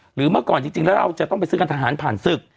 เมื่อก่อนจริงแล้วเราจะต้องไปซื้อกันทหารผ่านศึก